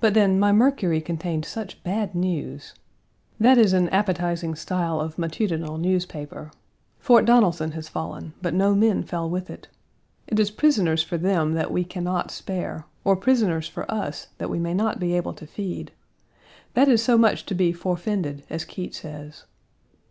But then, my Mercury contained such bad news. That is an appetizing style of matutinal newspaper. Fort Donelson1 has fallen, but no men fell with it. It is prisoners for them that we can not spare, or prisoners for us that we may not be able to feed: that is so much to be "forefended," as Keitt says.